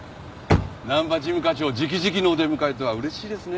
難波事務課長直々のお出迎えとは嬉しいですね。